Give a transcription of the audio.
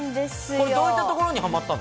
これどういったところにはまったの。